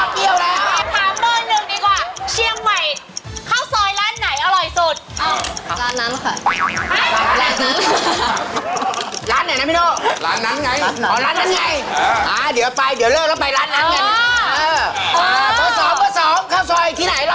อ๋อเปรี้ยวแล้ว